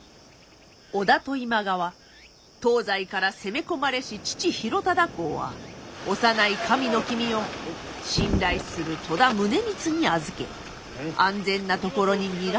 織田と今川東西から攻め込まれし父広忠公は幼い神の君を信頼する戸田宗光に預け安全な所に逃がすことに。